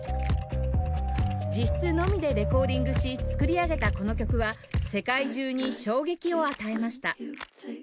自室のみでレコーディングし作り上げたこの曲は世界中に衝撃を与えました